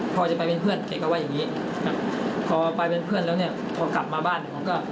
พอจะไปเป็นเพื่อนแกก็ว่าอย่างนี้พอไปเป็นเพื่อนแล้วเนี่ยพอกลับมาบ้านผมก็